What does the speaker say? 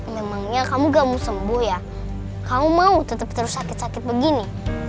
memang ya kamu gak mau sembuh ya kamu mau tetap terus sakit sakit begini